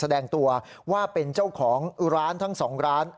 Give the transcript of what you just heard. แสดงตัวว่าเป็นเจ้าของร้านทั้ง๒ร้าน